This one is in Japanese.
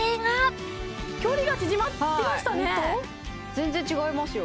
全然違いますよ